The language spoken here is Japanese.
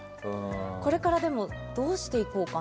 これからどうしていこうかな。